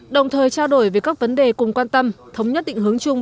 đồng thời trao đổi về các vấn đề cùng quan tâm thống nhất định hướng chung